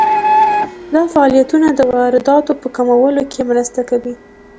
دا فعالیتونه د وارداتو په کمولو کې مرسته کوي.